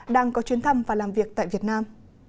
đang có chuyến thăm và làm việc tại việt nam